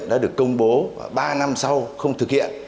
đã được công bố và ba năm sau không thực hiện